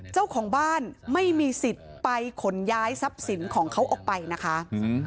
เจ้าของบ้านไม่มีสิทธิ์ไปขนย้ายทรัพย์สินของเขาออกไปนะคะอืม